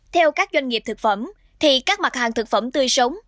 theo các doanh nghiệp thực phẩm thì các mặt hàng thực phẩm tươi sống